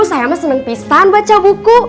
saya masih seneng pisan baca buku